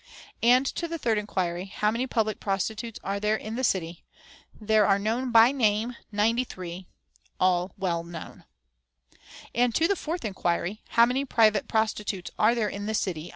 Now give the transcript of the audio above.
"And to the third inquiry, 'How many public prostitutes are there in the city?' There are known by name, ninety three, all well known. "And to the fourth inquiry, 'How many private prostitutes are there in the city?'